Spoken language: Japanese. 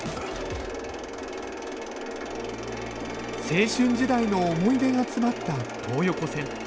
青春時代の思い出が詰まった東横線。